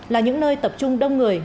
là những nơi tập trung đông người